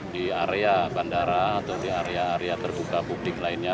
di area bandara atau di area area terbuka publik lainnya